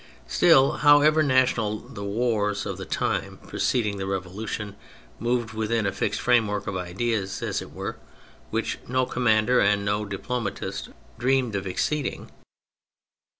Still, however national, the wars of the time preceding the Revolution moved within a fixed framework of ideas, as it were, which no commander and no diplomatist dreamed of exceeding.